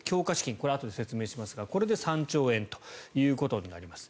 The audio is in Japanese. これ、あとで説明しますがこれで３兆円ということになります。